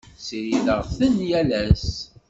Ssirideɣ-ten yal ass.